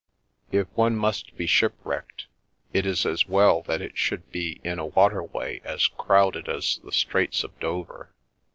If one must be shipwrecked it is as well that it should be in a waterway as crowded as the Straits of Dover.